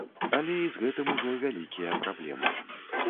Але і з гэтым ужо вялікія праблемы.